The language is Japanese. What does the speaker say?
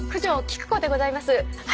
菊子でございます。